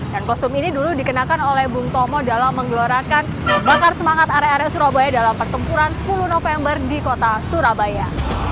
dan kostum ini dulu dikenakan oleh bung tomo dalam menggeloraskan bakar semangat area area surabaya dalam pertempuran sepuluh november di kota surabaya